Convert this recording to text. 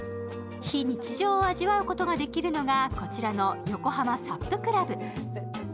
非日常を味わうことができるのがこちらの横浜ＳＵＰ倶楽部。